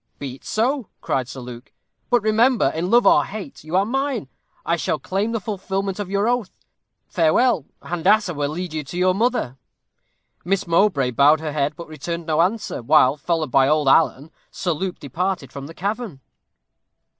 'Be it so,' cried Sir Luke; 'but remember, in love or hate, you are mine; I shall claim the fulfilment of your oath. Farewell. Handassah will lead you to your mother.' Miss Mowbray bowed her head, but returned no answer, while, followed by old Alan, Sir Luke departed from the cavern."